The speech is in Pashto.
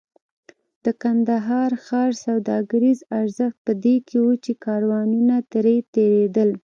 د کندهار ښار سوداګریز ارزښت په دې کې و چې کاروانونه ترې تېرېدل.